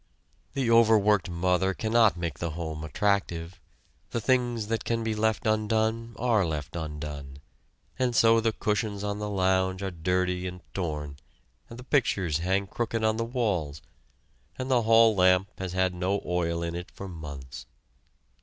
The overworked mother cannot make the home attractive; the things that can be left undone are left undone, and so the cushions on the lounge are dirty and torn, the pictures hang crooked on the walls, and the hall lamp has had no oil in it for months.